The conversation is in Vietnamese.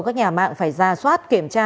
các nhà mạng phải ra soát kiểm tra